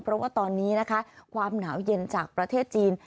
เพราะว่าตอนนี้นะคะความหนาวเย็นจากประเทศจีน